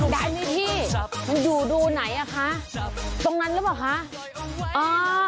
ได้นี่พี่มันอยู่ดูไหนอะคะตรงนั้นแล้วหรอคะอ่า